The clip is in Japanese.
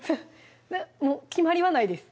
もう決まりはないです